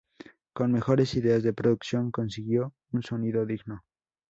Con mejores ideas que producción, consiguió un sonido digno.